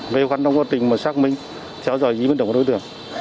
gây khó khăn trong quá trình mà xác minh theo dõi ý minh đồng của đối tượng